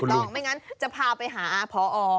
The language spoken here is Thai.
ถูกต้องไม่งั้นจะพาไปหาพอ